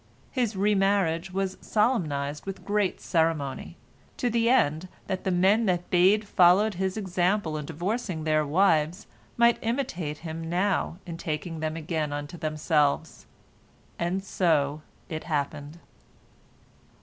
His re marriage was solemnized with great ceremony, to the end that the men that bad followed his example in divorcing their wives might imitate him now in taking them again unto themselves. And so it happened.